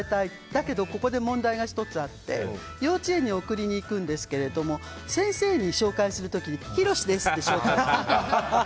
だけど、ここで問題が１つあって幼稚園に送りに行くんですけど先生に紹介する時に洋ですって紹介するの。